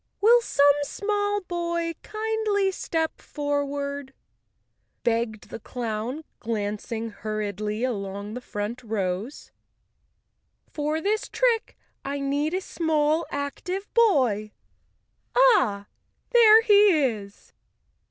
"Will some small boy kindly step forward," begged the clown, glancing hurriedly along the front rows. "For this trick I need a small, active boy. Ah, there he is!"